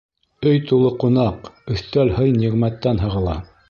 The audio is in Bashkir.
Өй тулы ҡунаҡ, өҫтәл һый-ниғмәттән һығыла.